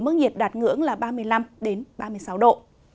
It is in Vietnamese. mức nhiệt đạt ngưỡng là ba mươi năm ba mươi sáu độ